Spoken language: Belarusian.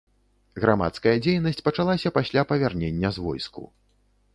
Грамадская дзейнасць пачалася пасля павернення з войску.